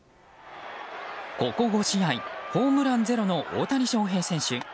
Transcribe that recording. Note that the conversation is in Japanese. ここ５試合、ホームランゼロの大谷翔平選手。